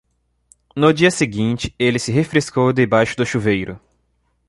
No dia seguinte, ele se refrescou debaixo do chuveiro.